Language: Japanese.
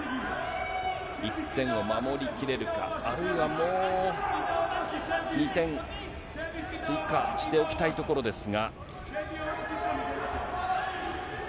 １点を守りきれるか、あるいはもう２点追加しておきたいところですが。